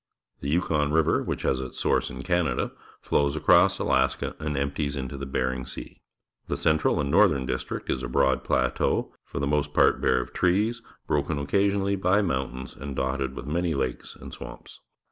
The Yukon River, which has its source in Can ada, flows across Alaska and empties into Bering Sea. The central and northern dis trict is a broad plateau, for the most part bare of trees, broken occasionally by moun tains, and dotted with many lakes and swamps.